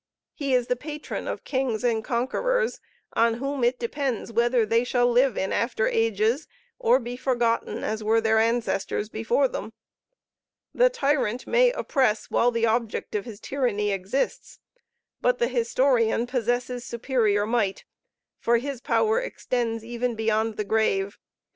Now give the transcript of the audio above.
He is the patron of kings and conquerors on whom it depends whether they shall live in after ages, or be forgotten as were their ancestors before them. The tyrant may oppress while the object of his tyranny exists; but the historian possesses superior might, for his power extends even beyond the grave.